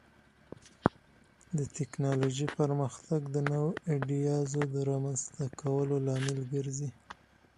د ټکنالوژۍ پرمختګ د نوو ایډیازو د رامنځته کولو لامل ګرځي.